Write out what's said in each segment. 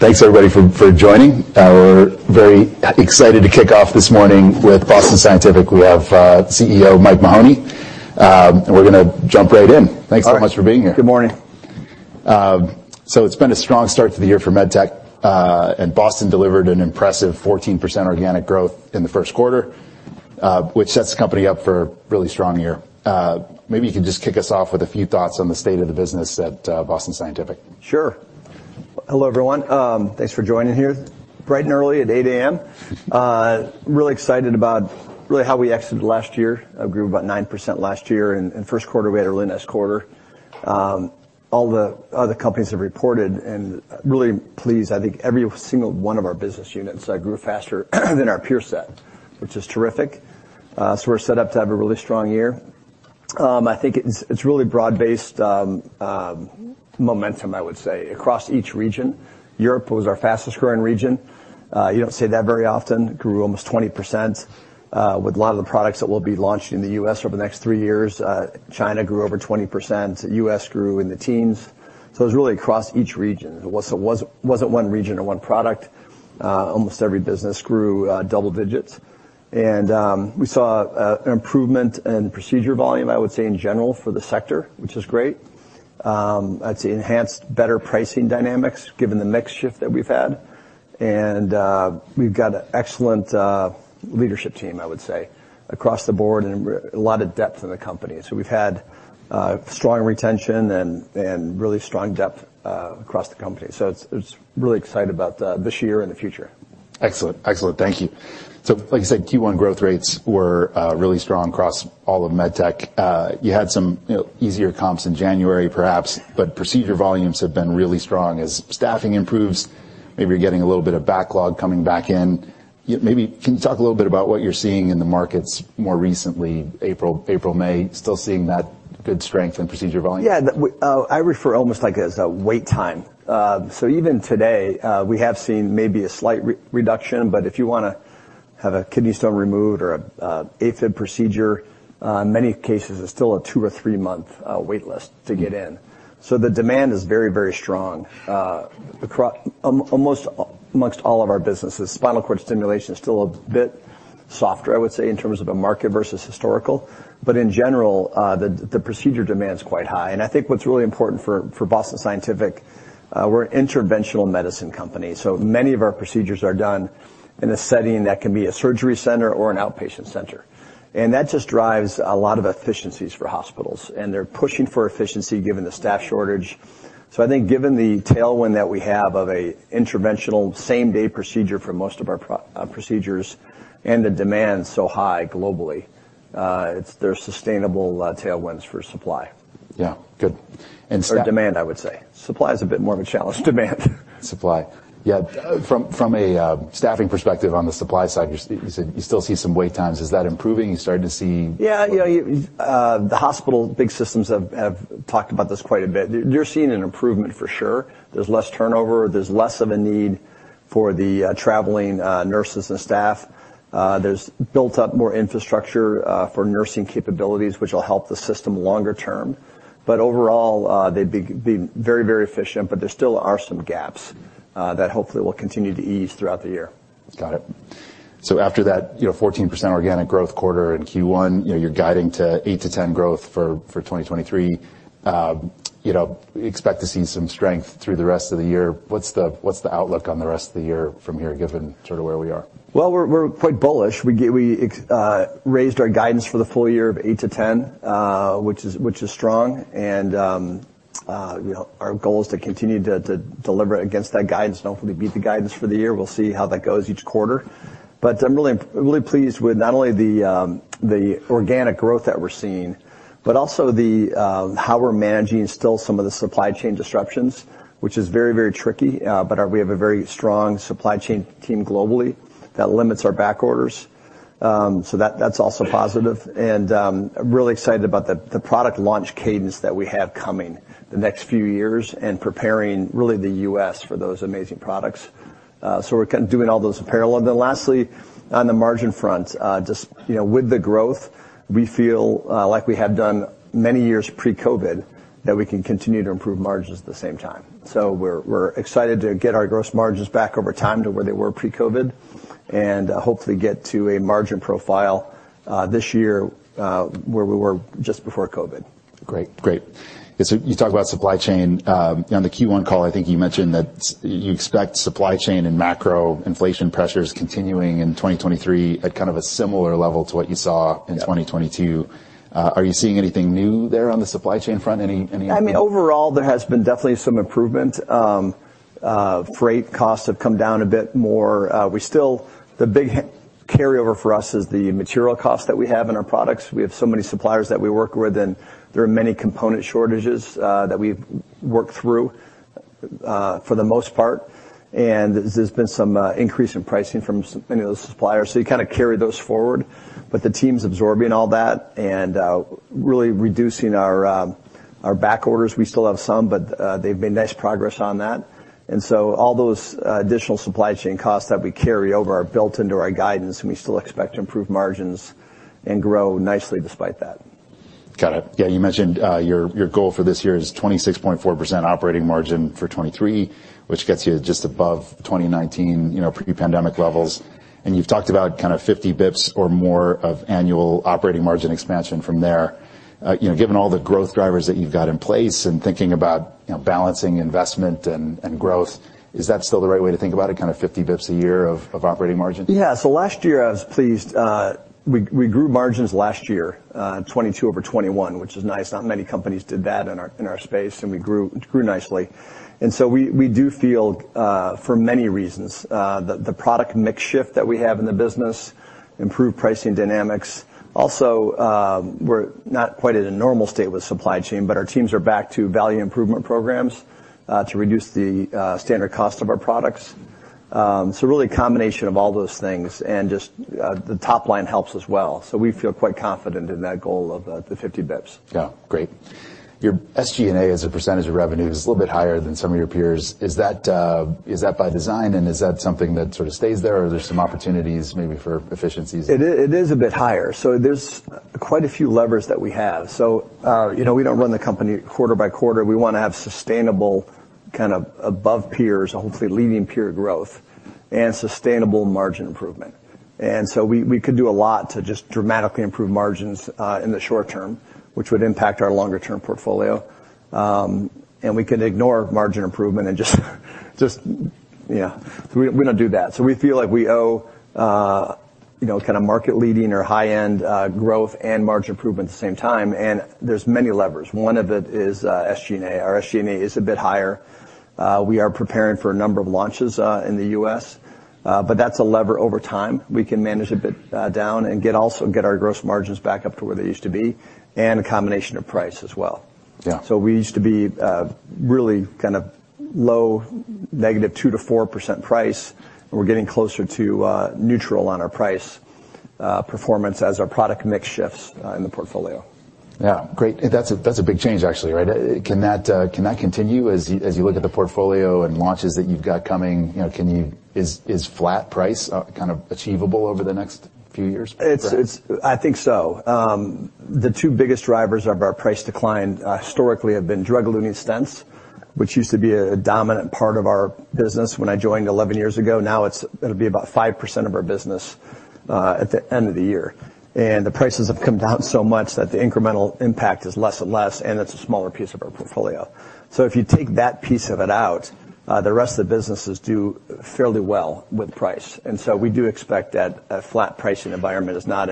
Thanks, everybody, for joining. We're very excited to kick off this morning with Boston Scientific. We have CEO Mike Mahoney, and we're gonna jump right in. All right. Thanks so much for being here. Good morning. It's been a strong start to the year for Medtech, Boston Scientific delivered an impressive 14% organic growth in the Q1, which sets the company up for a really strong year. Maybe you could just kick us off with a few thoughts on the state of the business at Boston Scientific. Sure. Hello, everyone. Thanks for joining here bright and early at 8:00 A.M. Really excited about really how we exited last year. Grew about 9% last year, and Q1, we had our latest quarter. All the other companies have reported, really pleased. I think every single one of our business units grew faster than our peer set, which is terrific. We're set up to have a really strong year. I think it's really broad-based momentum, I would say, across each region. Europe was our fastest growing region. You don't say that very often. Grew almost 20%, with a lot of the products that will be launched in the U.S. over the next three years. China grew over 20%. U.S. grew in the teens, it was really across each region. It wasn't one region or one product. Almost every business grew double digits, and we saw an improvement in procedure volume, I would say, in general for the sector, which is great. I'd say enhanced better pricing dynamics, given the mix shift that we've had, and we've got an excellent leadership team, I would say, across the board and a lot of depth in the company. We've had strong retention and really strong depth across the company. It's really excited about this year and the future. Excellent. Thank you. Like you said, Q1 growth rates were really strong across all of Medtech. You had some, you know, easier comps in January, perhaps, but procedure volumes have been really strong. As staffing improves, maybe you're getting a little bit of backlog coming back in. Yeah, maybe can you talk a little bit about what you're seeing in the markets more recently, April, May, still seeing that good strength in procedure volume? I refer almost like as a wait time. So even today, we have seen maybe a slight reduction, but if you wanna have a kidney stone removed or a AFib procedure, in many cases, there's still a two or three month waitlist to get in. The demand is very, very strong, almost amongst all of our businesses. Spinal cord stimulation is still a bit softer, I would say, in terms of a market versus historical, but in general, the procedure demand's quite high. I think what's really important for Boston Scientific, we're an interventional medicine company, so many of our procedures are done in a setting that can be a surgery center or an outpatient center. That just drives a lot of efficiencies for hospitals, and they're pushing for efficiency, given the staff shortage. I think, given the tailwind that we have of a interventional, same-day procedure for most of our procedures and the demand so high globally, there's sustainable tailwinds for supply. Yeah. Good. Demand, I would say. Supply is a bit more of a challenge. Demand. Supply. Yeah, from a staffing perspective on the supply side, you said you still see some wait times. Is that improving? You starting to see. Yeah, you know, you, the hospital, big systems have talked about this quite a bit. They're seeing an improvement for sure. There's less turnover, there's less of a need for the traveling nurses and staff. There's built up more infrastructure for nursing capabilities, which will help the system longer term, but overall, they'd be very, very efficient, but there still are some gaps that hopefully will continue to ease throughout the year. Got it. After that, you know, 14% organic growth quarter in Q1, you know, you're guiding to 8% to 10% growth for 2023. You know, expect to see some strength through the rest of the year. What's the outlook on the rest of the year from here, given sort of where we are? Well, we're quite bullish. We raised our guidance for the full year of 8% to 10%, which is strong. You know, our goal is to continue to deliver against that guidance and hopefully beat the guidance for the year. We'll see how that goes each quarter. I'm really pleased with not only the organic growth that we're seeing, but also the how we're managing still some of the supply chain disruptions, which is very, very tricky, but we have a very strong supply chain team globally that limits our back orders. That's also positive. I'm really excited about the product launch cadence that we have coming the next few years and preparing really the U.S. for those amazing products. We're kind of doing all those in parallel. Lastly, on the margin front, just, you know, with the growth, we feel like we have done many years pre-COVID, that we can continue to improve margins at the same time. We're, we're excited to get our gross margins back over time to where they were pre-COVID, and, hopefully get to a margin profile, this year, where we were just before COVID. Great. Great. You talk about supply chain. On the Q1 call, I think you mentioned that you expect supply chain and macro inflation pressures continuing in 2023 at kind of a similar level to what you saw Yeah in 2022. Are you seeing anything new there on the supply chain front? I mean, overall, there has been definitely some improvement. Freight costs have come down a bit more. We still the big carryover for us is the material costs that we have in our products. We have so many suppliers that we work with, and there are many component shortages that we've worked through for the most part, and there's been some increase in pricing from many of those suppliers, so you kinda carry those forward. But the team's absorbing all that and really reducing our back orders. We still have some, but they've made nice progress on that. All those additional supply chain costs that we carry over are built into our guidance, and we still expect to improve margins and grow nicely despite that. Got it. Yeah, you mentioned, your goal for this year is 26.4% operating margin for 2023, which gets you just above 2019, you know, pre-pandemic levels. You've talked about kind of 50 basis points or more of annual operating margin expansion from there. You know, given all the growth drivers that you've got in place and thinking about, you know, balancing investment and growth, is that still the right way to think about it, kind of 50 basis points a year of operating margin? Yeah. Last year, I was pleased. We grew margins last year, 2022 over 2021, which is nice. Not many companies did that in our space, and we grew nicely. We do feel for many reasons, the product mix shift that we have in the business, improved pricing dynamics. Also, we're not quite at a normal state with supply chain, but our teams are back to value improvement programs to reduce the standard cost of our products. Really a combination of all those things, and just the top line helps as well. We feel quite confident in that goal of the 50 bips. Yeah. Great. Your SG&A, as a percentage of revenue, is a little bit higher than some of your peers. Is that, is that by design, and is that something that sort of stays there, or are there some opportunities maybe for efficiencies? It is a bit higher, so there's quite a few levers that we have. You know, we don't run the company quarter-by-quarter. We wanna have sustainable, kind of above peers, hopefully leading peer growth and sustainable margin improvement. We could do a lot to just dramatically improve margins in the short term, which would impact our longer-term portfolio. We can ignore margin improvement and just. Yeah. We're gonna do that. We feel like we owe, you know, kind of market-leading or high-end growth and margin improvement at the same time, and there's many levers. One of it is SG&A. Our SG&A is a bit higher. We are preparing for a number of launches in the U.S., but that's a lever over time. We can manage a bit down and get also, get our gross margins back up to where they used to be, and a combination of price as well. Yeah. We used to be really kind of low, -2% to -4% price, and we're getting closer to neutral on our price performance as our product mix shifts in the portfolio. Yeah. Great. That's a big change, actually, right? Can that continue as you look at the portfolio and launches that you've got coming, you know? Is flat price kind of achievable over the next few years? I think so. The two biggest drivers of our price decline, historically, have been drug-eluting stents, which used to be a dominant part of our business when I joined 11 years ago. Now, it'll be about 5% of our business at the end of the year. The prices have come down so much that the incremental impact is less and less, and it's a smaller piece of our portfolio. If you take that piece of it out, the rest of the businesses do fairly well with price. We do expect that a flat pricing environment is not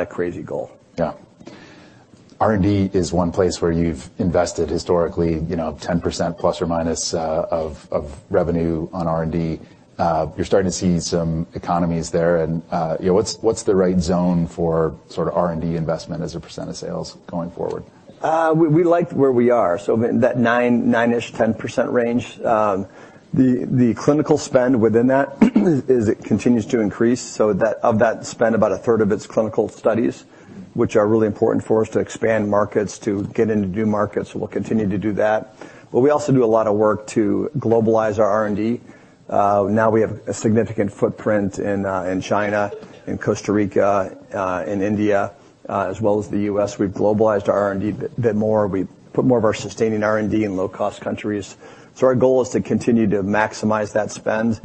a crazy goal. Yeah. R&D is one place where you've invested historically, you know, 10% ± of revenue on R&D. You're starting to see some economies there, and, you know, what's the right zone for sort of R&D investment as a percentage of sales going forward? We like where we are, so that 9-ish, 10% range. The clinical spend within that continues to increase. Of that spend, about a third of it's clinical studies, which are really important for us to expand markets, to get into new markets. We'll continue to do that. We also do a lot of work to globalize our R&D. Now we have a significant footprint in China, in Costa Rica, in India, as well as the U.S. We've globalized our R&D a bit more. We've put more of our sustaining R&D in low-cost countries. Our goal is to continue to maximize that spend.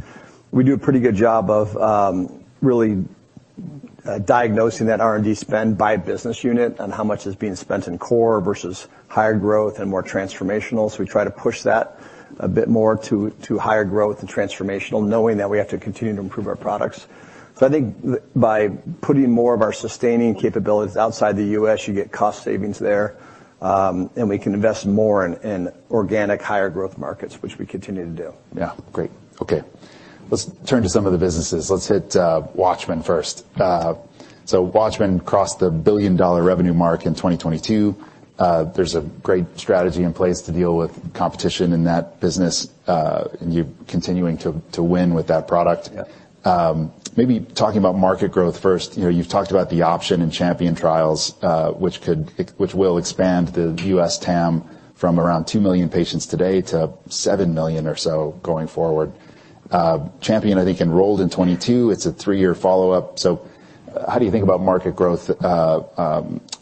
We do a pretty good job of really diagnosing that R&D spend by business unit and how much is being spent in core versus higher growth and more transformational. We try to push that a bit more to higher growth and transformational, knowing that we have to continue to improve our products. I think by putting more of our sustaining capabilities outside the U.S., you get cost savings there, and we can invest more in organic, higher growth markets, which we continue to do. Yeah. Great. Okay, let's turn to some of the businesses. Let's hit WATCHMAN first. WATCHMAN crossed the billion-dollar revenue mark in 2022. There's a great strategy in place to deal with competition in that business, and you're continuing to win with that product. Yeah. Maybe talking about market growth first, you know, you've talked about the OPTION in CHAMPION-AF trials, which could, which will expand the U.S. TAM from around two million patients today to seven million or so going forward. CHAMPION-AF, I think, enrolled in 2022. It's a three year follow-up. How do you think about market growth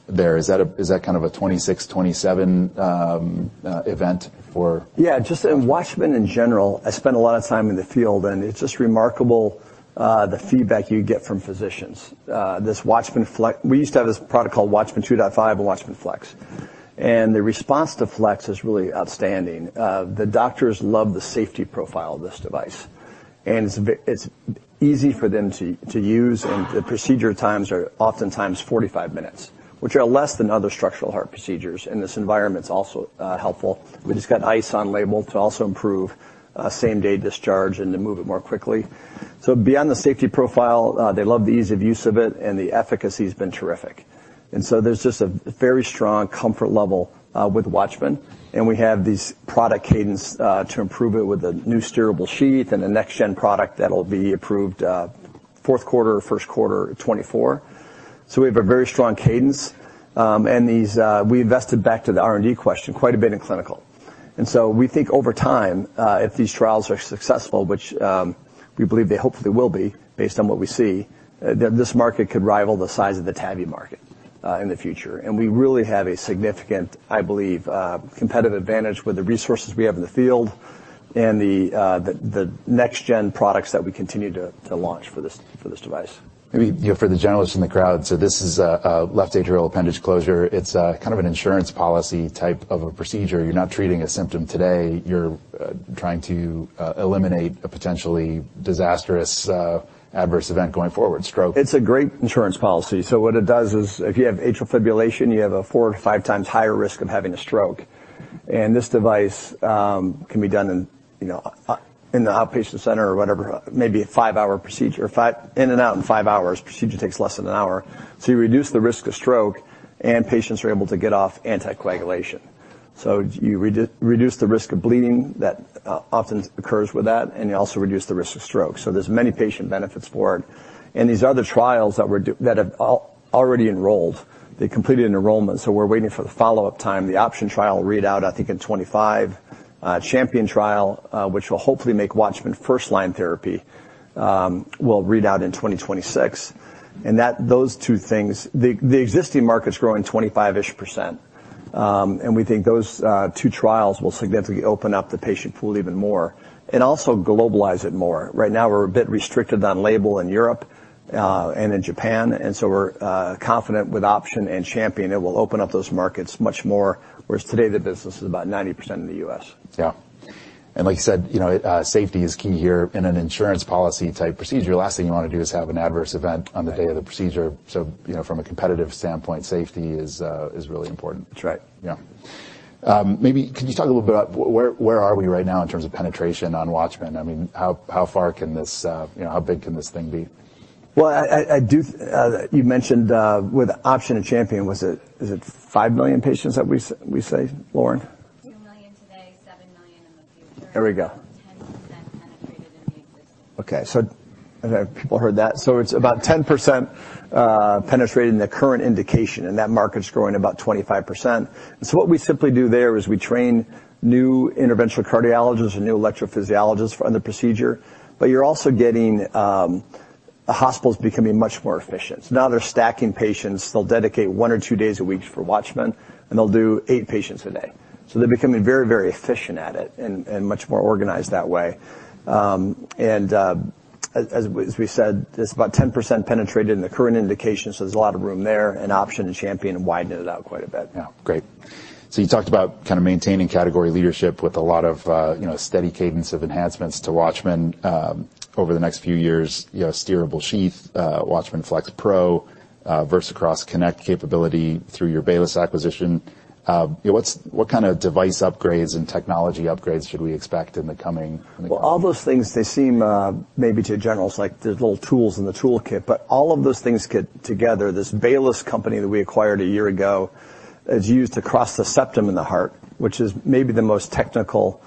there? Is that kind of a 2026, 2027 event or? Just in WATCHMAN in general, I spend a lot of time in the field, and it's just remarkable, the feedback you get from physicians. We used to have this product called WATCHMAN 2.5 and WATCHMAN FLX, and the response to FLX is really outstanding. The doctors love the safety profile of this device, and it's easy for them to use, and the procedure times are oftentimes 45 minutes, which are less than other structural heart procedures, and this environment's also helpful. We just got ICE on label to also improve same-day discharge and to move it more quickly. Beyond the safety profile, they love the ease of use of it, and the efficacy has been terrific. There's just a very strong comfort level with WATCHMAN, and we have this product cadence to improve it with a new steerable sheath and a next-gen product that'll be approved Q4 or Q1 of 2024. We have a very strong cadence. We invested, back to the R&D question, quite a bit in clinical. We think over time, if these trials are successful, which we believe they hopefully will be, based on what we see, that this market could rival the size of the TAVI market in the future. We really have a significant, I believe, competitive advantage with the resources we have in the field and the next gen products that we continue to launch for this device. Maybe, you know, for the generals in the crowd, this is a left atrial appendage closure. It's a kind of an insurance policy type of a procedure. You're not treating a symptom today, you're trying to eliminate a potentially disastrous adverse event going forward, stroke. It's a great insurance policy. What it does is, if you have atrial fibrillation, you have a 4x to 5x higher risk of having a stroke. This device can be done in the outpatient center or whatever, maybe a five hour procedure, in and out in five hours, procedure takes less than one hour. You reduce the risk of bleeding that often occurs with that, and you also reduce the risk of stroke. There's many patient benefits for it. These other trials that have already enrolled, they completed an enrollment, so we're waiting for the follow-up time. The OPTION trial will read out, I think, in 2025. CHAMPION trial, which will hopefully make WATCHMAN first-line therapy, will read out in 2026. Those two things. The existing market's growing 25%. We think those two trials will significantly open up the patient pool even more and also globalize it more. Right now, we're a bit restricted on label in Europe and in Japan. We're confident with OPTION and CHAMPION, it will open up those markets much more, whereas today the business is about 90% in the U.S. Yeah. Like you said, you know, safety is key here in an insurance policy-type procedure. Last thing you wanna do is have an adverse event on the day of the procedure. You know, from a competitive standpoint, safety is really important. That's right. Maybe could you talk a little bit about where are we right now in terms of penetration on WATCHMAN? I mean, how far can this, you know, how big can this thing be? Well, I do you mentioned with OPTION and CHAMPION, is it 5 million patients that we say, Lauren? $2 million today, $7 million in the future. There we go. 10% penetrated in the existing. I don't know if people heard that. It's about 10% penetrated in the current indication, and that market's growing about 25%. What we simply do there is we train new interventional cardiologists and new electrophysiologists on the procedure. You're also getting the hospitals becoming much more efficient. Now they're stacking patients. They'll dedicate one or two days a week for WATCHMAN, and they'll do eight patients a day. They're becoming very, very efficient at it and much more organized that way. As we said, it's about 10% penetrated in the current indication, so there's a lot of room there, and OPTION and CHAMPION widened it out quite a bit. Yeah. Great. You talked about kind of maintaining category leadership with a lot of, you know, steady cadence of enhancements to WATCHMAN over the next few years. You know, steerable sheath, WATCHMAN FLX Pro, VersaCross Connect capability through your Baylis acquisition. You know, what kind of device upgrades and technology upgrades should we expect in the coming- All those things, they seem, maybe to generals, like they're little tools in the toolkit, but all of those things get together. This Baylis company that we acquired a year ago, is used to cross the septum in the heart, which is maybe the most technical,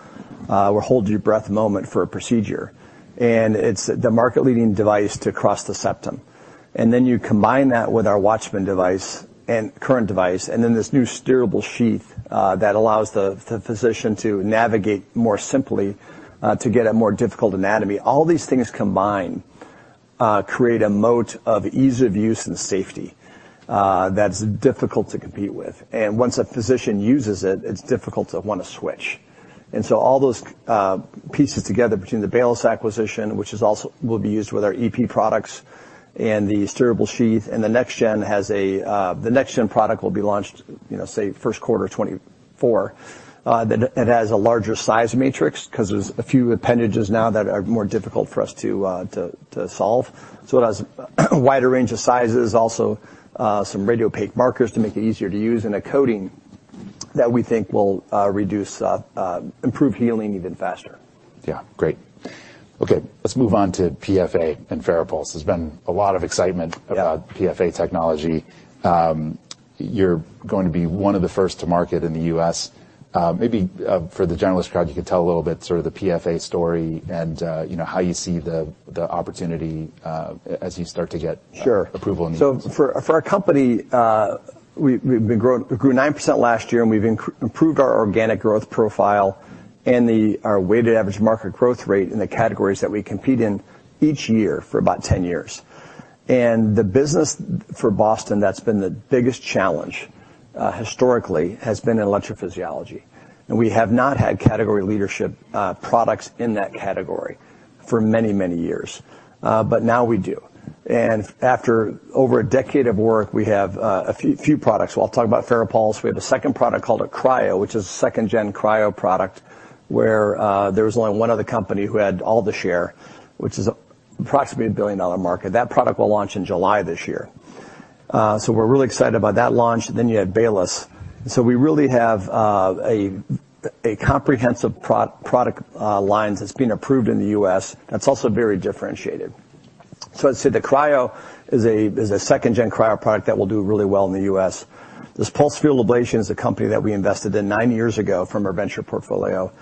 or hold-your-breath moment for a procedure. It's the market-leading device to cross the septum. You combine that with our WATCHMAN device and current device, and then this new steerable sheath that allows the physician to navigate more simply to get a more difficult anatomy. All these things combined create a moat of ease of use and safety that's difficult to compete with. Once a physician uses it's difficult to wanna switch. All those pieces together between the Baylis acquisition, which will be used with our EP products and the steerable sheath, and the next gen product will be launched, you know, say, Q1 2024. That it has a larger size matrix, 'cause there's a few appendages now that are more difficult for us to solve. So it has a wider range of sizes, also, some radiopaque markers to make it easier to use, and a coating that we think will reduce. Improve healing even faster. Yeah. Great. Let's move on to PFA and FARAPULSE. There's been a lot of excitement Yeah about PFA technology. You're going to be one of the first to market in the U.S. Maybe for the generalist crowd, you could tell a little bit, sort of the PFA story and, you know, how you see the opportunity Sure approval in. For our company, we grew 9% last year, and we've improved our organic growth profile and our weighted average market growth rate in the categories that we compete in each year for about 10 years. The business for Boston, that's been the biggest challenge historically, has been in electrophysiology. We have not had category leadership products in that category for many years. Now we do. After over a decade of work, we have a few products. Well, I'll talk about FARAPULSE. We have a second product called a POLARx, which is a second-gen POLARx product, where there was only one other company who had all the share, which is approximately a billion-dollar market. That product will launch in July this year. We're really excited about that launch. Then you had Baylis. We really have a comprehensive product lines that's been approved in the U.S. that's also very differentiated. Let's see, the POLARx is a second-gen POLARx product that will do really well in the U.S. This pulsed field ablation is a company that we invested in nine years ago from our venture portfolio,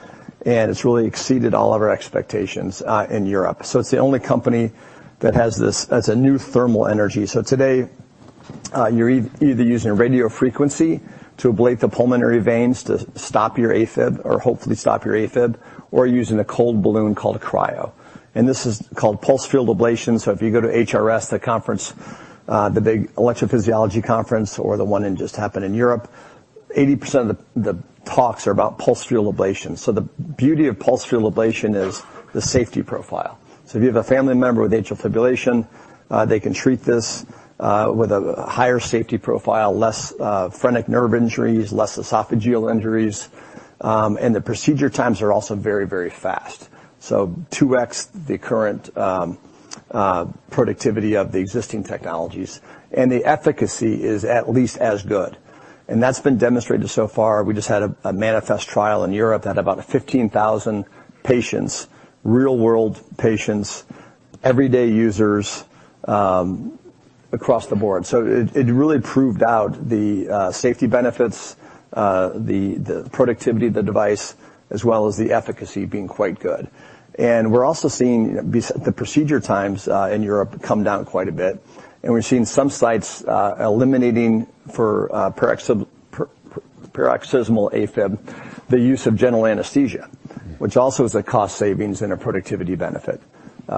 and it's really exceeded all of our expectations in Europe. It's the only company that has this. It's a new thermal energy. You're either using a radio frequency to ablate the pulmonary veins to stop your AFib or hopefully stop your AFib, or using a cold balloon called cryo. This is called pulsed field ablation. If you go to HRS, the conference, the big electrophysiology conference or the one that just happened in Europe, 80% of the talks are about pulsed field ablation. The beauty of pulsed field ablation is the safety profile. If you have a family member with atrial fibrillation, they can treat this with a higher safety profile, less phrenic nerve injuries, less esophageal injuries. The procedure times are also very, very fast. 2x the current productivity of the existing technologies, and the efficacy is at least as good. That's been demonstrated so far. We just had a MANIFEST-PF trial in Europe that about 15,000 patients, real-world patients, everyday users, across the board. it really proved out the safety benefits, the productivity of the device, as well as the efficacy being quite good. We're also seeing the procedure times in Europe come down quite a bit, and we're seeing some sites eliminating for paroxysmal AFib, the use of general anesthesia, which also is a cost savings and a productivity benefit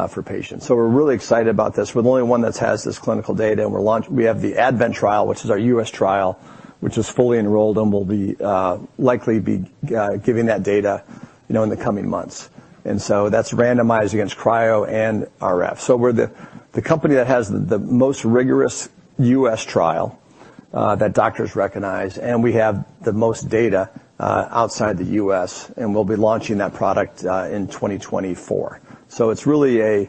for patients. We're really excited about this. We're the only one that has this clinical data, we have the ADVENT trial, which is our U.S. trial, which is fully enrolled, and we'll likely be giving that data, you know, in the coming months. That's randomized against cryo and RF. We're the company that has the most rigorous U.S. trial that doctors recognize, and we have the most data outside the U.S., and we'll be launching that product in 2024. It's really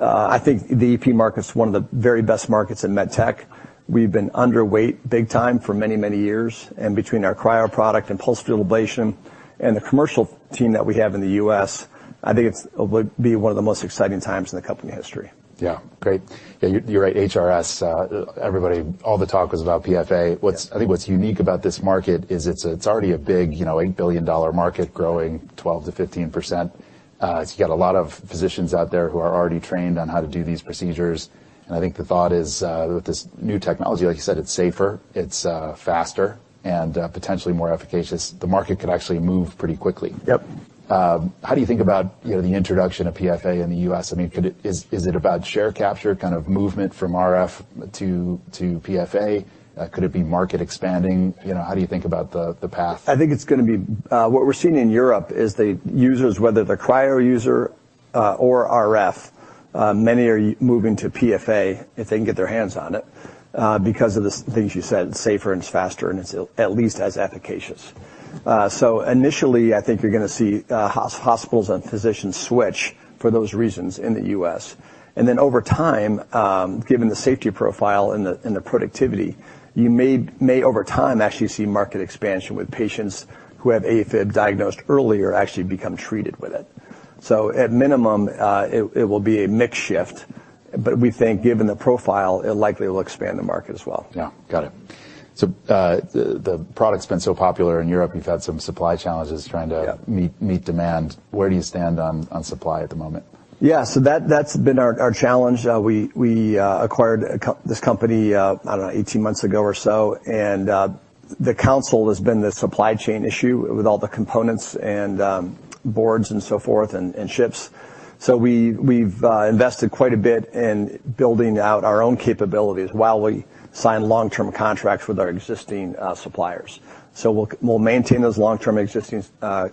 I think the EP market's one of the very best markets in medtech. We've been underweight big time for many, many years. Between our cryo product and pulsed field ablation and the commercial team that we have in the U.S., I think it's would be one of the most exciting times in the company history. Yeah. Great. Yeah, you're right. HRS, everybody, all the talk was about PFA. Yes. I think what's unique about this market is it's already a big, you know, $8 billion market, growing 12% to 15%. You got a lot of physicians out there who are already trained on how to do these procedures, and I think the thought is, with this new technology, like you said, it's safer, it's faster and potentially more efficacious. The market could actually move pretty quickly. Yep. How do you think about, you know, the introduction of PFA in the U.S.? I mean, Is it about share capture, kind of movement from RF to PFA? Could it be market expanding? You know, how do you think about the path? I think it's gonna be. What we're seeing in Europe is the users, whether they're cryo user or RF, many are moving to PFA if they can get their hands on it because of the things you said, it's safer and it's faster, and it's at least as efficacious. Initially, I think you're gonna see hospitals and physicians switch for those reasons in the U.S. Over time, given the safety profile and the productivity, you may over time actually see market expansion with patients who have AFib diagnosed earlier, actually become treated with it. At minimum, it will be a mix shift, but we think given the profile, it likely will expand the market as well. Yeah. Got it. The product's been so popular in Europe, you've had some supply challenges trying to Yeah meet demand. Where do you stand on supply at the moment? That's been our challenge. We acquired this company, I don't know, 18 months ago or so, and the challenge has been the supply chain issue, with all the components and boards and so forth, and ships. We've invested quite a bit in building out our own capabilities while we sign long-term contracts with our existing suppliers. We'll maintain those long-term existing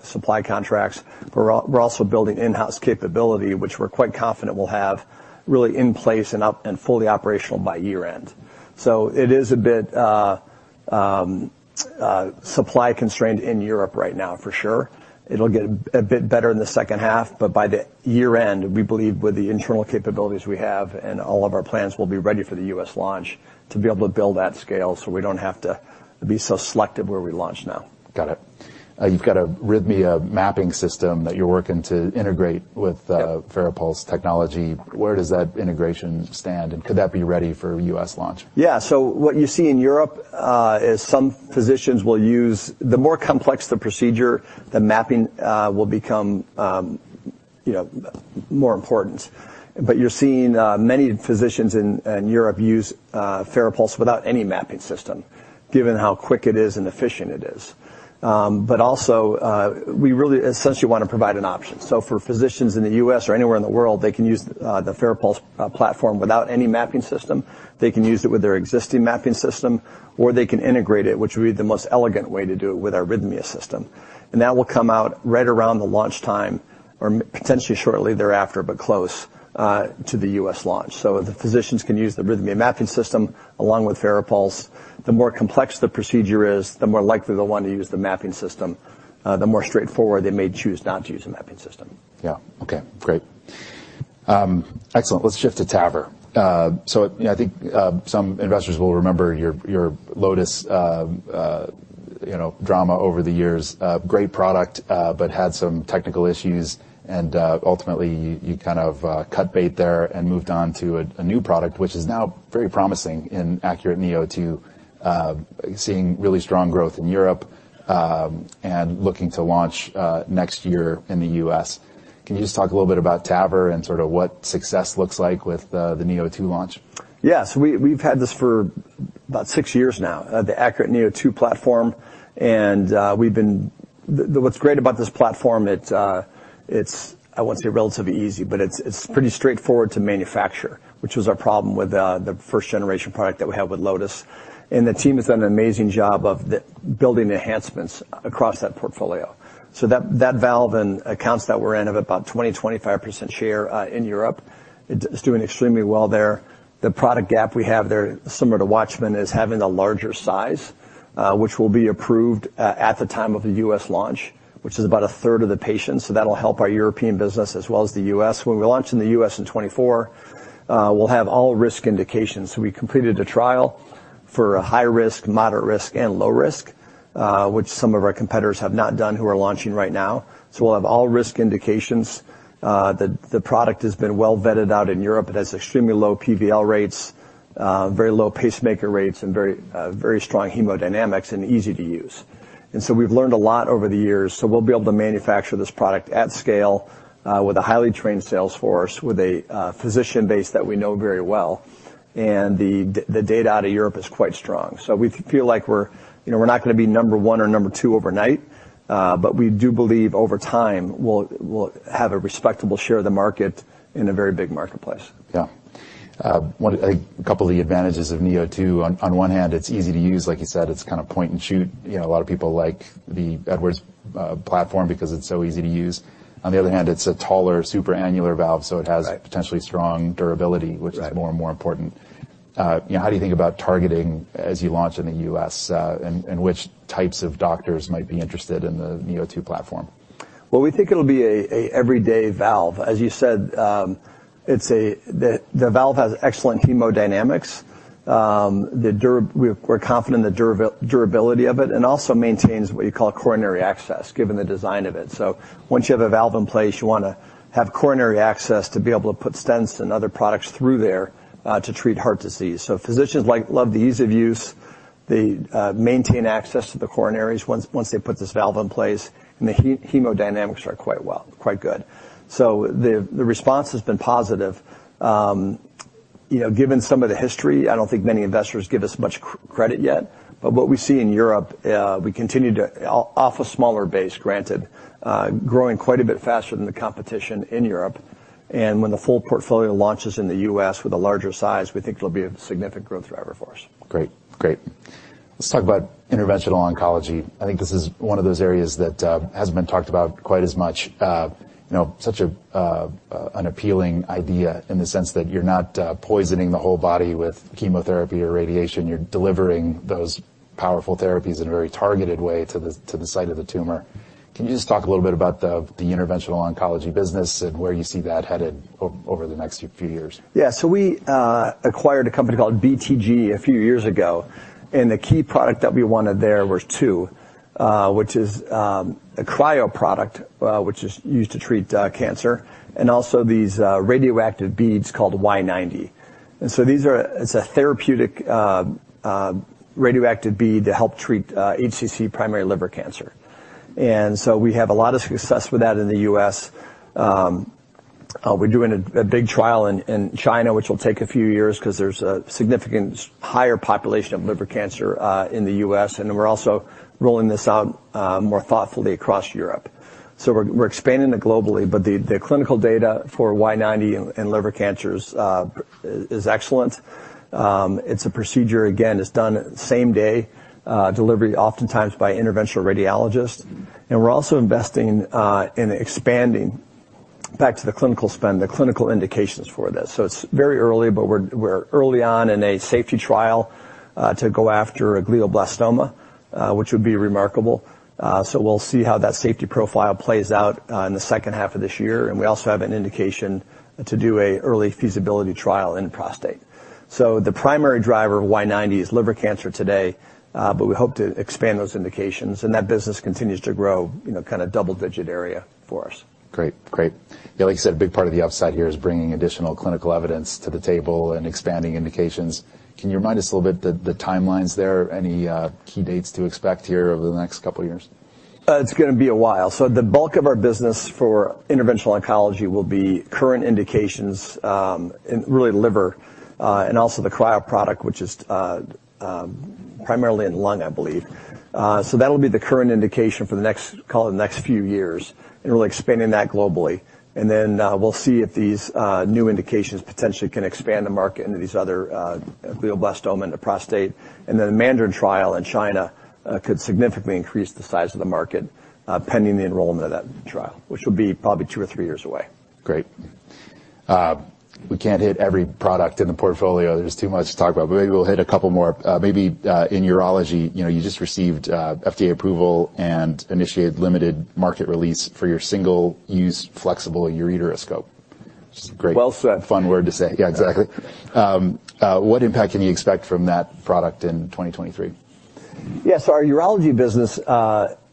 supply contracts. We're also building in-house capability, which we're quite confident we'll have really in place and up and fully operational by year-end. It is a bit supply constrained in Europe right now for sure. It'll get a bit better in the second half. By the year-end, we believe, with the internal capabilities we have and all of our plans, we'll be ready for the U.S. launch to be able to build that scale so we don't have to be so selective where we launch now. Got it. You've got a arrhythmia mapping system that you're working to integrate with Yep FARAPULSE technology. Where does that integration stand, and could that be ready for U.S. launch? Yeah. What you see in Europe is some physicians will use. The more complex the procedure, the mapping will become, you know, more important. You're seeing many physicians in Europe use FARAPULSE without any mapping system, given how quick it is and efficient it is. We really essentially want to provide an option. For physicians in the U.S. or anywhere in the world, they can use the FARAPULSE platform without any mapping system. They can use it with their existing mapping system, or they can integrate it, which would be the most elegant way to do it, with our arrhythmia system. That will come out right around the launch time or potentially shortly thereafter, but close to the U.S. launch. The physicians can use the arrhythmia mapping system along with FARAPULSE. The more complex the procedure is, the more likely they'll want to use the mapping system. The more straightforward, they may choose not to use the mapping system. Yeah. Okay, great. Excellent. Let's shift to TAVR. You know, I think some investors will remember your Lotus, you know, drama over the years. Great product, but had some technical issues, and ultimately, you kind of cut bait there and moved on to a new product, which is now very promising in ACURATE neo2. Seeing really strong growth in Europe, and looking to launch next year in the U.S. Can you just talk a little bit about TAVR and sort of what success looks like with the Neo2 launch? Yes, we've had this for about six years now, the ACURATE neo2 platform, what's great about this platform, it's I wouldn't say relatively easy, but it's pretty straightforward to manufacture, which was our problem with the first generation product that we had with Lotus. The team has done an amazing job of building enhancements across that portfolio. That valve and accounts that we're in have about 20% to 25% share in Europe. It's doing extremely well there. The product gap we have there, similar to WATCHMAN, is having a larger size, which will be approved at the time of the U.S. launch, which is about a third of the patients, that'll help our European business as well as the U.S. When we launch in the U.S. in 2024, we'll have all risk indications. We completed a trial for a high risk, moderate risk, and low risk, which some of our competitors have not done, who are launching right now. We'll have all risk indications. The product has been well vetted out in Europe. It has extremely low PVL rates, very low pacemaker rates, and very strong hemodynamics and easy to use. We've learned a lot over the years, we'll be able to manufacture this product at scale with a highly trained sales force, with a physician base that we know very well. The data out of Europe is quite strong. We feel like we're, you know, we're not gonna be number one or number two overnight, but we do believe over time, we'll have a respectable share of the market in a very big marketplace. Yeah. A couple of the advantages of Neo2, on one hand, it's easy to use, like you said, it's kind of point and shoot. You know, a lot of people like the Edwards platform because it's so easy to use. On the other hand, it's a taller, supra-annular valve, so it has Right potentially strong durability. Right which is more and more important. How do you think about targeting as you launch in the U.S., and which types of doctors might be interested in the Neo2 platform? Well, we think it'll be a everyday valve. As you said, it's the valve has excellent hemodynamics. The we're confident in the durability of it, and also maintains what you call coronary access, given the design of it. Once you have a valve in place, you want to have coronary access to be able to put stents and other products through there to treat heart disease. Physicians love the ease of use. They maintain access to the coronaries once they put this valve in place, and the hemodynamics are quite well, quite good. The response has been positive. You know, given some of the history, I don't think many investors give us much credit yet. What we see in Europe, we continue to, off a smaller base, granted, growing quite a bit faster than the competition in Europe. When the full portfolio launches in the U.S. with a larger size, we think it'll be a significant growth driver for us. Great. Great. Let's talk about interventional oncology. I think this is one of those areas that hasn't been talked about quite as much. You know, such an appealing idea in the sense that you're not poisoning the whole body with chemotherapy or radiation. You're delivering those powerful therapies in a very targeted way to the site of the tumor. Can you just talk a little bit about the interventional oncology business and where you see that headed over the next few years? Yeah. We acquired a company called BTG a few years ago, and the key product that we wanted there was two, which is a cryo product, which is used to treat cancer, and also these radioactive beads called Y-90. It's a therapeutic radioactive bead to help treat HCC primary liver cancer. We have a lot of success with that in the U.S. We're doing a big trial in China, which will take a few years because there's a significant higher population of liver cancer in the U.S., and we're also rolling this out more thoughtfully across Europe. We're expanding it globally, but the clinical data for Y-90 in liver cancers is excellent. It's a procedure, again, it's done same-day delivery, oftentimes by interventional radiologists. We're also investing in expanding, back to the clinical spend, the clinical indications for this. It's very early, but we're early on in a safety trial to go after a glioblastoma, which would be remarkable. We'll see how that safety profile plays out in the second half of this year, and we also have an indication to do an early feasibility trial in prostate. The primary driver of Y-90 is liver cancer today, but we hope to expand those indications, and that business continues to grow, you know, kind of double-digit area for us. Great. Yeah, like you said, a big part of the upside here is bringing additional clinical evidence to the table and expanding indications. Can you remind us a little bit, the timelines there? Any key dates to expect here over the next couple of years? It's gonna be a while. The bulk of our business for interventional oncology will be current indications in really liver and also the cryo product, which is primarily in lung, I believe. That'll be the current indication for the next, call it, the next few years, and we're expanding that globally. We'll see if these new indications potentially can expand the market into these other glioblastoma and the prostate. The MANDARIN trial in China could significantly increase the size of the market pending the enrollment of that trial, which will be probably two or three years away. Great. We can't hit every product in the portfolio. There's too much to talk about, but maybe we'll hit a couple more. Maybe, in Urology, you know, you just received FDA approval and initiated limited market release for your single-use flexible Ureteroscope. It's great. Well said. Fun word to say. Yeah, exactly. What impact can you expect from that product in 2023? Yes. Our Urology business,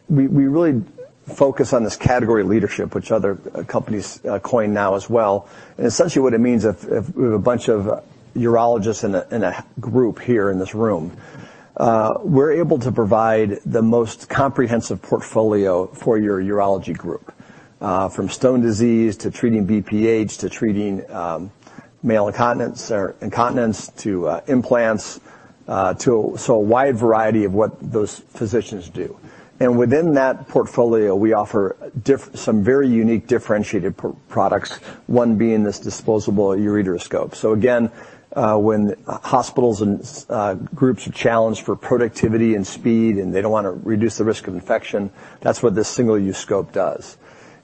we really focus on this category leadership, which other companies coin now as well. Essentially, what it means, if we have a bunch of Urologists in a group here in this room, we're able to provide the most comprehensive portfolio for your urology group, from stone disease to treating BPH, to treating male incontinence or incontinence to implants, so a wide variety of what those physicians do. Within that portfolio, we offer some very unique differentiated products, one being this disposable Ureteroscope. Again, when hospitals and groups are challenged for productivity and speed, and they don't want to reduce the risk of infection, that's what this single-use scope does.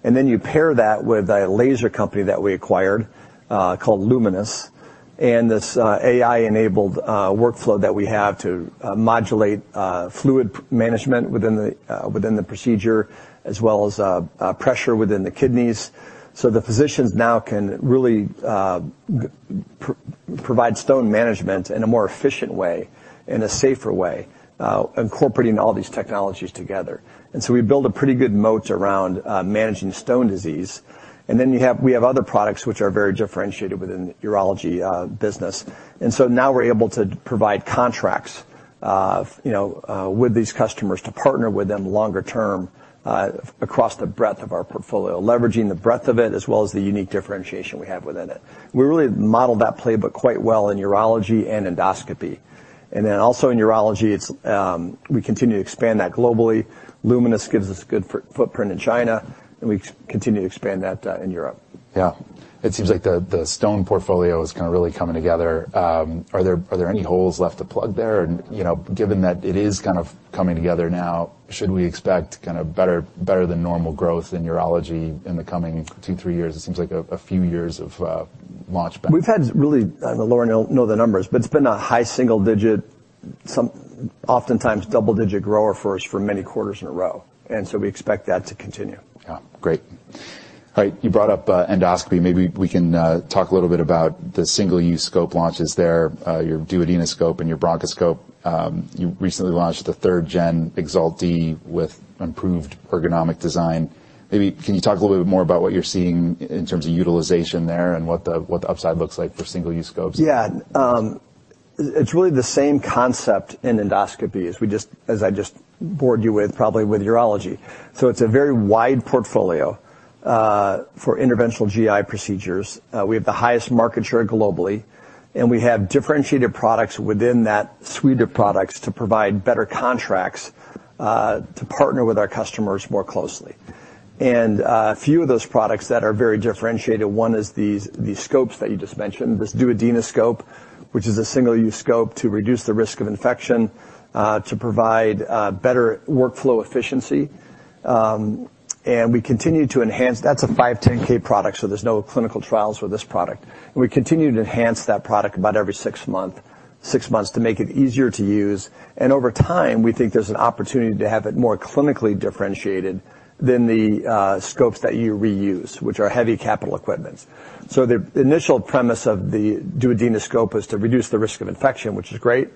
Then you pair that with a laser company that we acquired, called Lumenis, and this AI-enabled workflow that we have to modulate fluid management within the within the procedure, as well as pressure within the kidneys. The physicians now can really provide stone management in a more efficient way, in a safer way, incorporating all these technologies together. We build a pretty good moat around managing stone disease. Then we have other products which are very differentiated within the urology business. Now we're able to provide contracts, you know, with these customers to partner with them longer term, across the breadth of our portfolio. Leveraging the breadth of it, as well as the unique differentiation we have within it. We really modeled that playbook quite well in Urology and Endoscopy. Also in Urology, we continue to expand that globally. Lumenis gives us good footprint in China, and we continue to expand that in Europe. Yeah. It seems like the stone portfolio is kind of really coming together. Are there any holes left to plug there? You know, given that it is kind of coming together now, should we expect kind of better than normal growth in urology in the coming two, three years? It seems like a few years of launch back. We've had really, Lauren will know the numbers, but it's been a high single digit, some oftentimes double-digit grower for us for many quarters in a row. We expect that to continue. Great. All right, you brought up endoscopy. Maybe we can talk a little bit about the single-use scope launches there, your Duodenoscope and your Bronchoscope. You recently launched the third-gen EXALT D with improved ergonomic design. Maybe can you talk a little bit more about what you're seeing in terms of utilization there and what the upside looks like for single-use scopes? Yeah. It's really the same concept in endoscopy as I just bored you with, probably with urology. It's a very wide portfolio for interventional GI procedures. We have the highest market share globally, and we have differentiated products within that suite of products to provide better contracts, to partner with our customers more closely. A few of those products that are very differentiated, one is these, the scopes that you just mentioned, this Duodenoscope, which is a single-use scope to reduce the risk of infection, to provide better workflow efficiency. We continue to enhance. That's a 510(k) product, there's no clinical trials for this product. We continue to enhance that product about every six months to make it easier to use, and over time, we think there's an opportunity to have it more clinically differentiated than the scopes that you reuse, which are heavy capital equipments. The initial premise of the Duodenoscope is to reduce the risk of infection, which is great,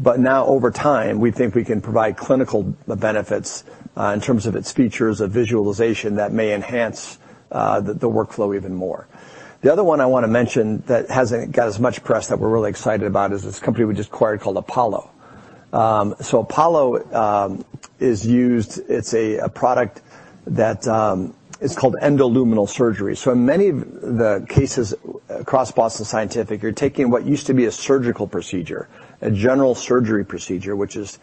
but now, over time, we think we can provide clinical benefits in terms of its features of visualization that may enhance the workflow even more. The other one I want to mention that hasn't got as much press that we're really excited about is this company we just acquired called Apollo. So Apollo is a product that is called Endoluminal Surgery. In many of the cases across Boston Scientific, you're taking what used to be a surgical procedure, a general surgery procedure, which is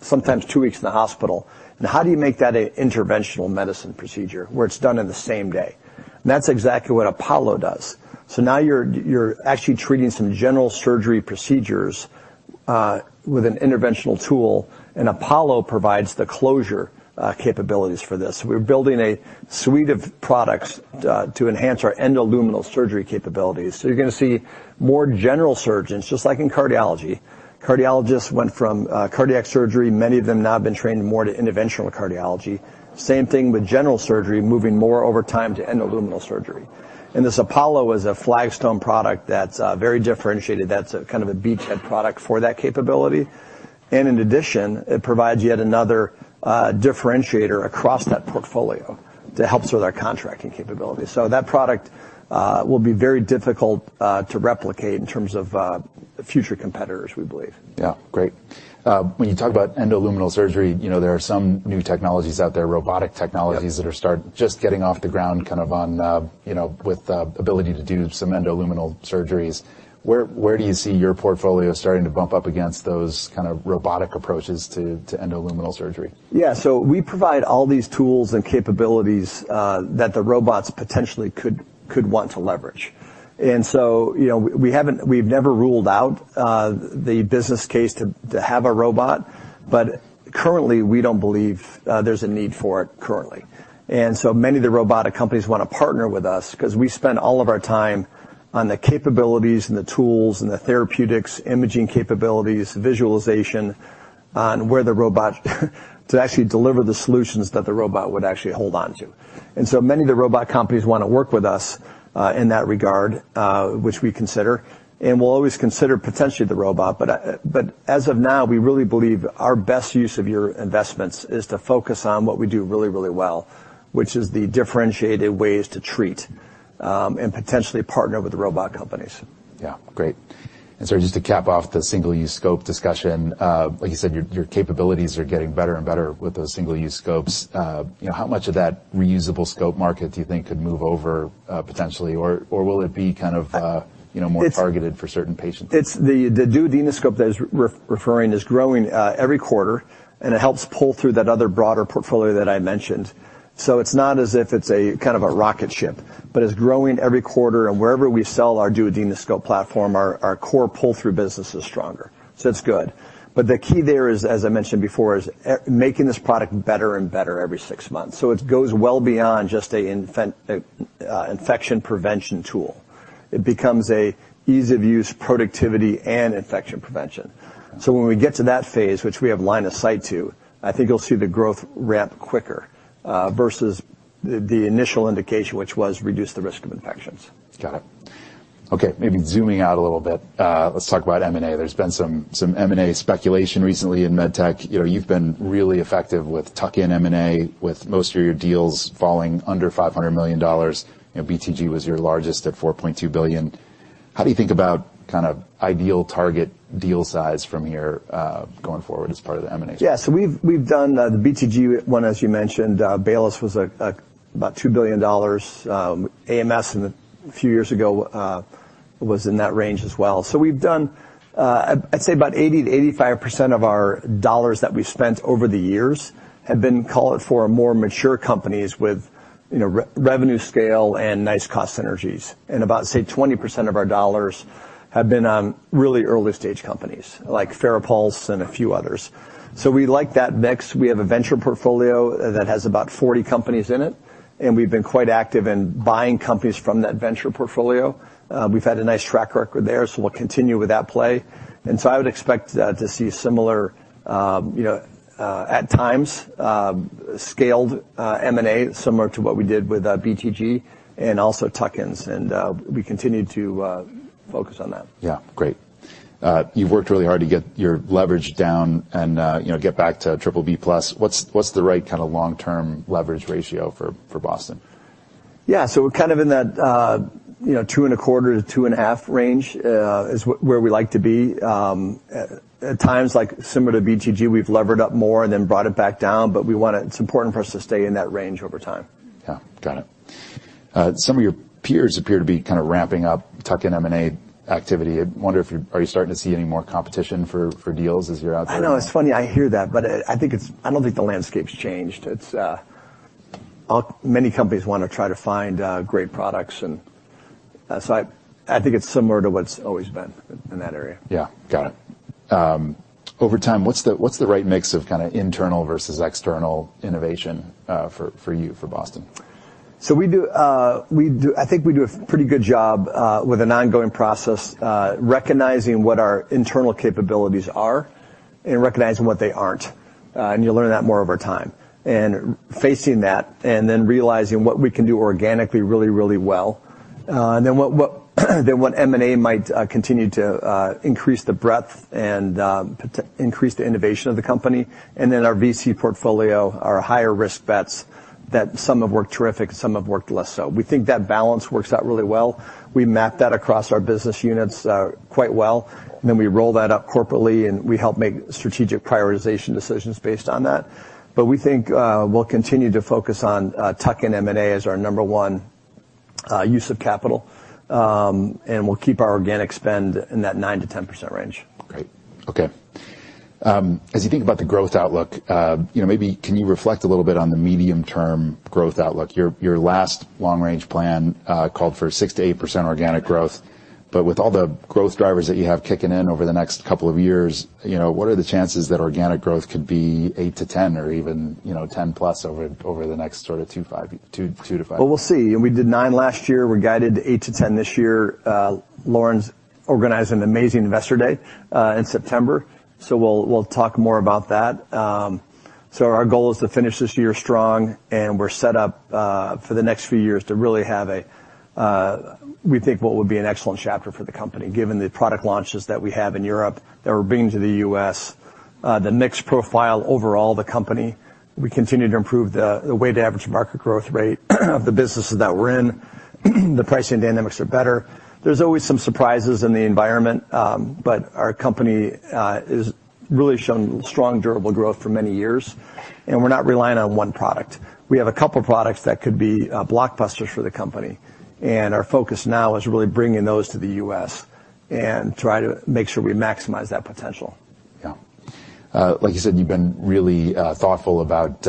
sometimes two weeks in the hospital, and how do you make that an interventional medicine procedure, where it's done in the same day? That's exactly what Apollo does. Now you're actually treating some general surgery procedures with an interventional tool, and Apollo provides the closure capabilities for this. We're building a suite of products to enhance our endoluminal surgery capabilities. You're going to see more general surgeons, just like in cardiology. Cardiologists went from cardiac surgery, many of them now have been trained more to interventional cardiology. Same thing with general surgery, moving more over time to endoluminal surgery. This Apollo is a flagstone product that's very differentiated, that's a kind of a beachhead product for that capability. In addition, it provides yet another differentiator across that portfolio to help us with our contracting capabilities. That product will be very difficult to replicate in terms of future competitors, we believe. Yeah. Great. When you talk about endoluminal surgery, you know, there are some new technologies out there, robotic technologies Yeah that are just getting off the ground, kind of on, you know, with the ability to do some endoluminal surgeries. Where do you see your portfolio starting to bump up against those kind of robotic approaches to endoluminal surgery? Yeah. We provide all these tools and capabilities that the robots potentially could want to leverage. You know, we've never ruled out the business case to have a robot, but currently, we don't believe there's a need for it currently. Many of the robotic companies want to partner with us because we spend all of our time on the capabilities and the tools and the therapeutics, imaging capabilities, visualization, on where the robot, to actually deliver the solutions that the robot would actually hold on to. Many of the robot companies want to work with us in that regard, which we consider, and we'll always consider potentially the robot. As of now, we really believe our best use of your investments is to focus on what we do really, really well, which is the differentiated ways to treat and potentially partner with the robot companies. Yeah. Great. Just to cap off the single-use scope discussion, like you said, your capabilities are getting better and better with those single-use scopes. You know, how much of that reusable scope market do you think could move over, potentially, or will it be kind of, you know, more targeted for certain patients? It's the duodenoscope that is referring is growing every quarter, and it helps pull through that other broader portfolio that I mentioned. It's not as if it's a kind of a rocket ship, but it's growing every quarter. Wherever we sell our Duodenoscope platform, our core pull-through business is stronger. It's good. The key there is, as I mentioned before, is making this product better and better every six months. It goes well beyond just a infection prevention tool. It becomes a ease of use, productivity, and infection prevention. When we get to that phase, which we have line of sight to, I think you'll see the growth ramp quicker versus the initial indication, which was reduce the risk of infections. Got it. Okay, maybe zooming out a little bit, let's talk about M&A. There's been some M&A speculation recently in Medtech. You know, you've been really effective with tuck-in M&A, with most of your deals falling under $500 million. You know, BTG was your largest at $4.2 billion. How do you think about kind of ideal target deal size from here, going forward as part of the M&A? We've done the BTG one, as you mentioned. Baylis was about $2 billion. AMS a few years ago was in that range as well. We've done, I'd say about 80% to 85% of our dollars that we've spent over the years have been, call it, for more mature companies with, you know, revenue scale and nice cost synergies. About, say, 20% of our dollars have been on really early-stage companies, like FARAPULSE and a few others. We like that mix. We have a venture portfolio that has about 40 companies in it. We've been quite active in buying companies from that venture portfolio. We've had a nice track record there. We'll continue with that play. I would expect to see similar, you know, at times, scaled M&A, similar to what we did with BTG and also tuck-ins, and we continue to focus on that. Yeah. Great. You've worked really hard to get your leverage down and, you know, get back to BBB+. What's the right kind of long-term leverage ratio for Boston? Yeah. We're kind of in that, you know, 2.25 to 2.5 range where we like to be. At times, like similar to BTG, we've levered up more and then brought it back down. It's important for us to stay in that range over time. Yeah. Got it. Some of your peers appear to be kind of ramping up tuck-in M&A activity. I wonder, are you starting to see any more competition for deals as you're out there? I know, it's funny, I hear that, I don't think the landscape's changed. It's, many companies wanna try to find great products, and I think it's similar to what it's always been in that area. Yeah. Got it. Over time, what's the right mix of kind of internal versus external innovation, for you, for Boston? We do I think we do a pretty good job with an ongoing process recognizing what our internal capabilities are and recognizing what they aren't. You'll learn that more over time. Facing that and then realizing what we can do organically really, really well, and then what then what M&A might continue to increase the breadth and increase the innovation of the company, and then our VC portfolio, our higher risk bets, that some have worked terrific, some have worked less so. We think that balance works out really well. We map that across our business units quite well, and then we roll that up corporately, and we help make strategic prioritization decisions based on that. We think we'll continue to focus on tuck-in M&A as our number one use of capital. We'll keep our organic spend in that 9% to 10% range. Great. Okay. As you think about the growth outlook, you know, maybe can you reflect a little bit on the medium-term growth outlook? Your last long-range plan called for 6% to 8% organic growth, but with all the growth drivers that you have kicking in over the next couple of years, you know, what are the chances that organic growth could be 8% to 10% or even, you know, 10%+ over the next sort of two, five, two to five? Well, we'll see. We did nine last year. We're guided 8 to 10 this year. Lauren's organized an amazing investor day in September, so we'll talk more about that. Our goal is to finish this year strong, and we're set up for the next few years to really have a we think what would be an excellent chapter for the company, given the product launches that we have in Europe that we're bringing to the U.S., the mix profile overall, the company. We continue to improve the weighted average market growth rate of the businesses that we're in. The pricing dynamics are better. There's always some surprises in the environment, but our company has really shown strong, durable growth for many years, and we're not relying on one product. We have a couple of products that could be blockbusters for the company, and our focus now is really bringing those to the U.S. and try to make sure we maximize that potential. Yeah. Like you said, you've been really thoughtful about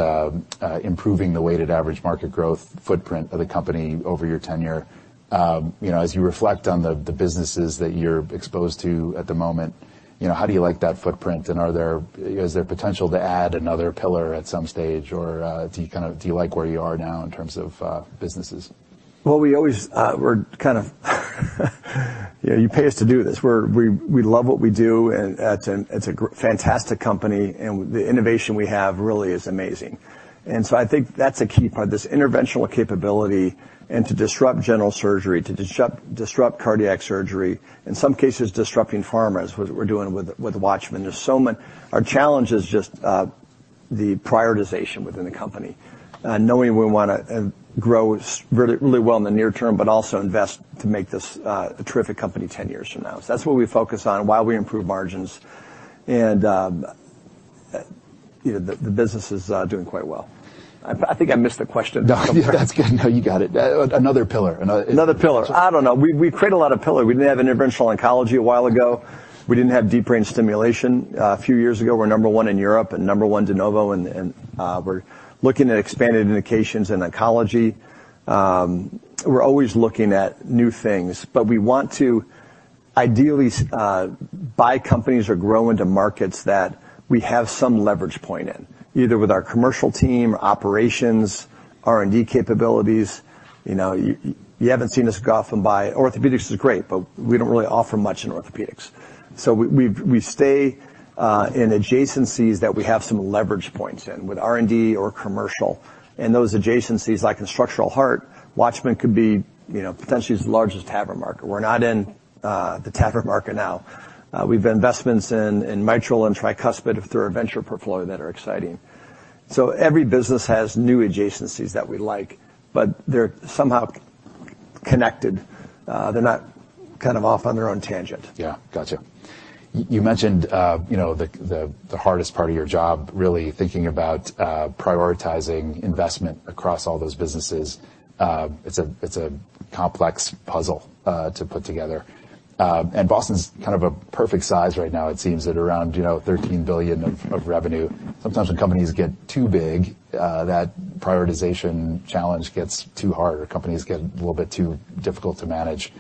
improving the weighted average market growth footprint of the company over your tenure. You know, as you reflect on the businesses that you're exposed to at the moment, you know, how do you like that footprint, and are there, is there potential to add another pillar at some stage, or do you kind of, do you like where you are now in terms of businesses? Well, we always, we're kind of, you know, you pay us to do this. We love what we do, and it's a fantastic company, and the innovation we have really is amazing. I think that's a key part, this interventional capability, and to disrupt general surgery, to disrupt cardiac surgery, in some cases, disrupting pharma is what we're doing with WATCHMAN. There's so many, our challenge is just the prioritization within the company. Knowing we want to grow really, really well in the near term, but also invest to make this a terrific company 10 years from now. That's what we focus on while we improve margins. You know, the business is doing quite well. I think I missed the question. No, that's good. No, you got it. another pillar, another? Another pillar. I don't know. We've created a lot of pillar. We didn't have interventional oncology a while ago. We didn't have deep brain stimulation a few years ago. We're number one in Europe and number one de novo, and we're looking at expanded indications in oncology. We're always looking at new things. We want to ideally buy companies or grow into markets that we have some leverage point in, either with our commercial team, operations, R&D capabilities. You know, you haven't seen us go off and buy. Orthopedics is great, we don't really offer much in orthopedics. We stay in adjacencies that we have some leverage points in, with R&D or commercial. Those adjacencies, like in structural heart, WATCHMAN could be, you know, potentially the largest TAVR market. We're not in, the TAVR market now. We've investments in mitral and tricuspid, through our venture portfolio, that are exciting. Every business has new adjacencies that we like, but they're somehow connected. They're not kind of off on their own tangent. Yeah. Gotcha. You mentioned, you know, the, the hardest part of your job, really thinking about, prioritizing investment across all those businesses. It's a, it's a complex puzzle, to put together. Boston's kind of a perfect size right now. It seems that around, you know, $13 billion of revenue, sometimes when companies get too big, that prioritization challenge gets too hard, or companies get a little bit too difficult to manage.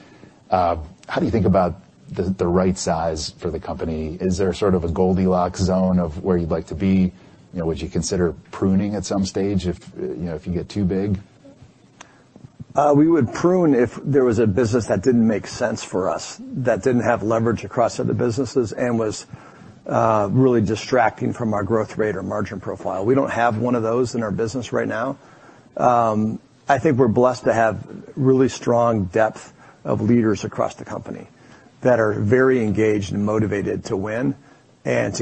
How do you think about the right size for the company? Is there sort of a Goldilocks zone of where you'd like to be? You know, would you consider pruning at some stage if, you know, if you get too big? We would prune if there was a business that didn't make sense for us, that didn't have leverage across other businesses and was really distracting from our growth rate or margin profile. We don't have one of those in our business right now. I think we're blessed to have really strong depth of leaders across the company that are very engaged and motivated to win, and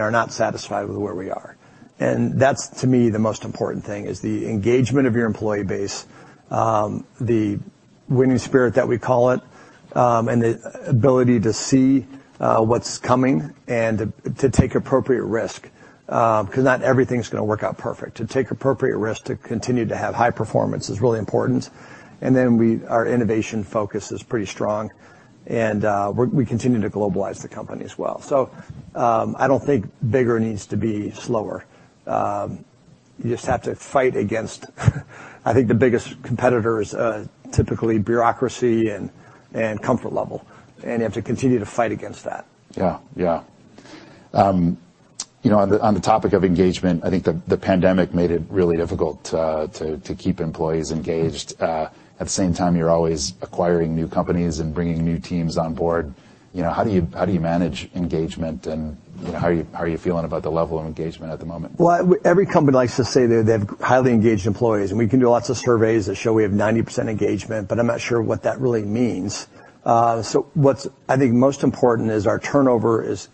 are not satisfied with where we are. That's, to me, the most important thing, is the engagement of your employee base, the winning spirit, that we call it, and the ability to see what's coming and to take appropriate risk. Because not everything's gonna work out perfect. To take appropriate risk to continue to have high performance is really important. Our innovation focus is pretty strong, and we continue to globalize the company as well. I don't think bigger needs to be slower. You just have to fight against. I think the biggest competitor is typically bureaucracy and comfort level, and you have to continue to fight against that. Yeah. Yeah. you know, on the topic of engagement, I think the pandemic made it really difficult to keep employees engaged. At the same time, you're always acquiring new companies and bringing new teams on board. You know, how do you manage engagement, and, you know, how are you feeling about the level of engagement at the moment? Well, every company likes to say they have highly engaged employees, and we can do lots of surveys that show we have 90% engagement, but I'm not sure what that really means. What's, I think, most important is our turnover is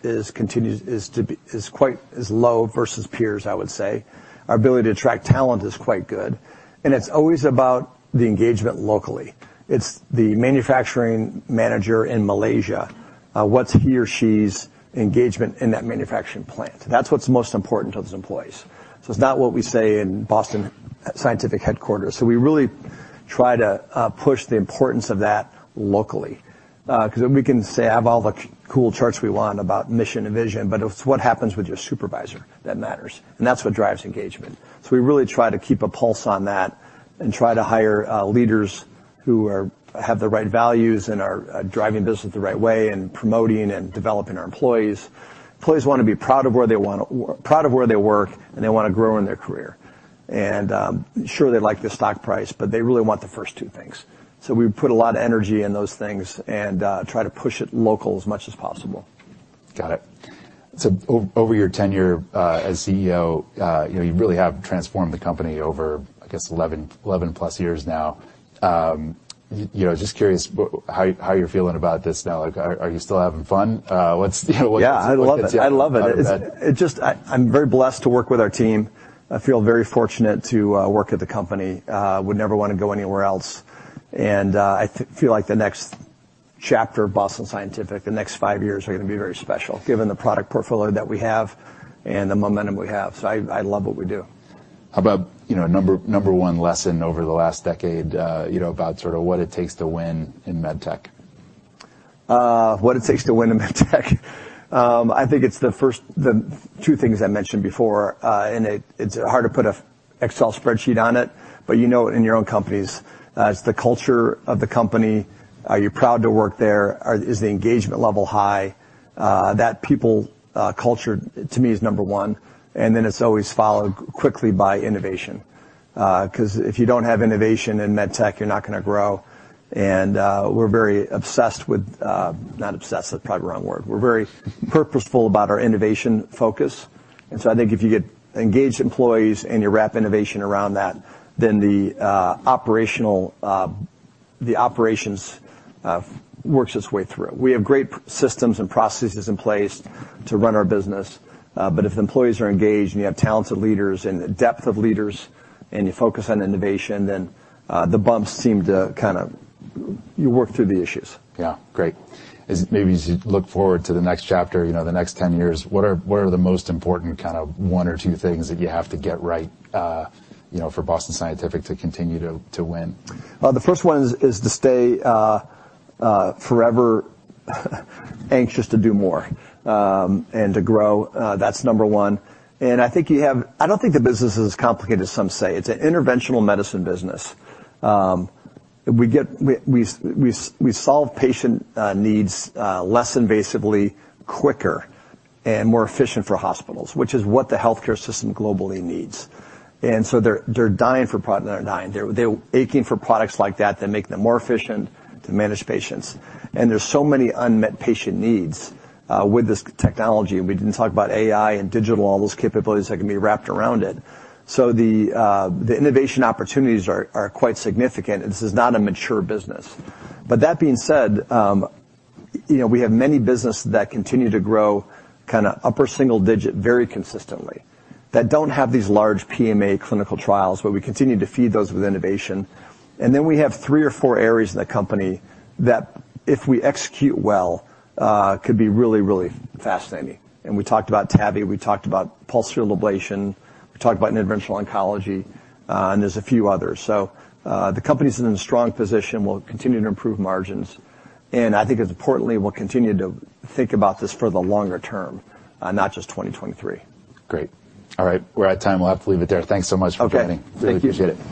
quite low versus peers, I would say. Our ability to attract talent is quite good, and it's always about the engagement locally. It's the manufacturing manager in Malaysia, what's he or she's engagement in that manufacturing plant? That's what's most important to those employees. It's not what we say in Boston Scientific headquarters. We really try to push the importance of that locally. Because we can say, I have all the cool charts we want about mission and vision, but it's what happens with your supervisor that matters, and that's what drives engagement. We really try to keep a pulse on that and try to hire leaders who have the right values and are driving the business the right way and promoting and developing our employees. Employees want to be proud of where they work, and they want to grow in their career. Sure, they like the stock price, but they really want the first two things. We put a lot of energy in those things and try to push it local as much as possible. Got it. Over your tenure, as CEO, you know, you really have transformed the company over, I guess, 11-plus years now. You know, just curious, how you're feeling about this now. Like, are you still having fun? What's, you know, what's Yeah, I love it. what's it like? I love it. How did that? I'm very blessed to work with our team. I feel very fortunate to work at the company. Would never want to go anywhere else. I feel like the next chapter of Boston Scientific, the next five years, are going to be very special, given the product portfolio that we have and the momentum we have. I love what we do. How about, you know, number one lesson over the last decade, you know, about sort of what it takes to win in Medtech? What it takes to win in Medtech? I think it's the two things I mentioned before, and it's hard to put a Excel spreadsheet on it, but you know it in your own companies. It's the culture of the company. Are you proud to work there? Is the engagement level high? That people, culture, to me, is number one, and then it's always followed quickly by innovation. Because if you don't have innovation in med tech, you're not gonna grow. We're very obsessed with, not obsessed, that's probably the wrong word. We're very purposeful about our innovation focus. I think if you get engaged employees and you wrap innovation around that, then the operations, works its way through. We have great systems and processes in place to run our business, but if the employees are engaged, and you have talented leaders and a depth of leaders, and you focus on innovation, then, the bumps seem to you work through the issues. Yeah. Great. As maybe as you look forward to the next chapter, you know, the next 10 years, what are the most important kind of one or two things that you have to get right, you know, for Boston Scientific to continue to win? Well, the first one is to stay forever anxious to do more and to grow. That's number one. I don't think the business is as complicated as some say. It's an interventional medicine business. We solve patient needs less invasively, quicker, and more efficient for hospitals, which is what the healthcare system globally needs. They're dying for product. They're dying. They're aching for products like that make them more efficient to manage patients. There's so many unmet patient needs with this technology. We didn't talk about AI and digital, all those capabilities that can be wrapped around it. The innovation opportunities are quite significant, and this is not a mature business. That being said, you know, we have many business that continue to grow, kind of upper single digit very consistently, that don't have these large PMA clinical trials, but we continue to feed those with innovation. We have three or four areas in the company that, if we execute well, could be really, really fascinating. We talked about TAVI, we talked about pulsed field ablation, we talked about interventional oncology, and there's a few others. The company's in a strong position. We'll continue to improve margins, and I think as importantly, we'll continue to think about this for the longer term, not just 2023. Great. All right, we're out of time. We'll have to leave it there. Thanks so much for joining. Okay. Thank you. Really appreciate it.